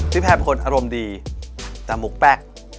แพร่เป็นคนอารมณ์ดีแต่หมุกแป๊ก